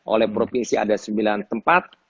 oleh provinsi ada sembilan tempat